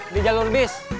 di jalur bis